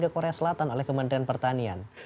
pertanian yang diberangkatkan oleh kementerian pertanian